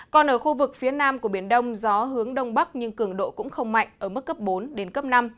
còn ở khu vực phía nam của biển đông gió hướng đông bắc nhưng cường độ cũng không mạnh ở mức cấp bốn đến cấp năm